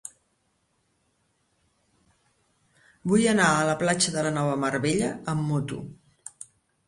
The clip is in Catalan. Vull anar a la platja de la Nova Mar Bella amb moto.